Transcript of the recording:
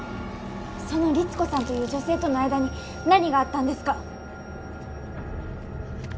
その律子さんという女性との間に何があったんですか？